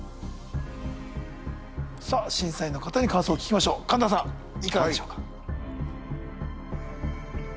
さぁ審査員の方に感想を聞きましょう神田さんいかがでしょうか？